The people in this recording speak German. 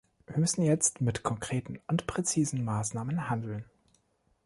Wir müssen jetzt mit konkreten und präzisen Maßnahmen handeln.